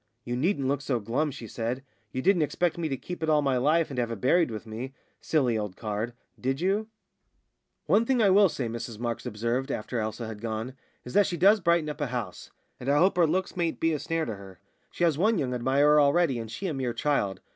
"You needn't look so glum," she said; "you didn't expect me to keep it all my life, and have it buried with me silly old card did you?" "One thing I will say," Mrs Marks observed, after Elsa had gone, "is that she does brighten up a house. And I hope her looks mayn't be a snare to her. She has one young admirer already, and she a mere child!